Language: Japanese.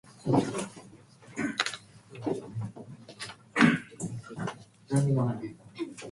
岩山と渓谷の景観。また、それがけわしくつづくことの形容。